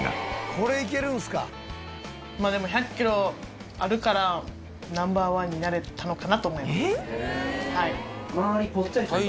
「これいけるんすか？」でも１００キロあるからＮｏ．１になれたのかなと思います。